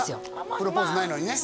あらプロポーズないのにね